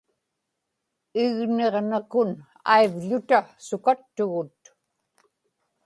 igniġnakun aivḷuta sukattugut